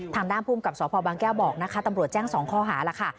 ทางด้านภูมิกับสพบางแก้วบอกนะคะตำรวจแจ้ง๒ข้อหาแล้วค่ะ